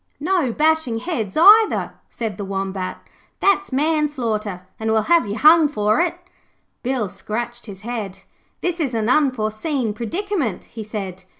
'No bashing heads, either,' said the Wombat. 'That's manslaughter, and we'll have you hung for it.' Bill scratched his head. 'This is an unforeseen predicament,' he said.